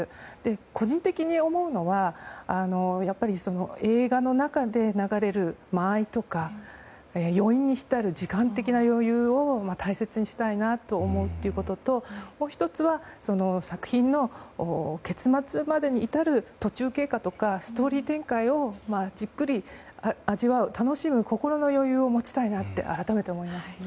個人的に思うのはやっぱり映画の中で流れる間合いとか余韻に浸る時間的な余裕を大切にしたいなと思うということともう１つは作品の結末までに至る途中経過とかストーリー展開をじっくり味わう楽しむ心の余裕を持ちたいなと改めて思いますね。